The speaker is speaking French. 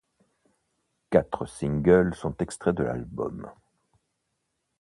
Quatre singles sont extraits de l'album.